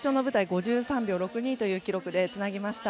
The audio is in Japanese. ５３秒６２という記録でつなぎました。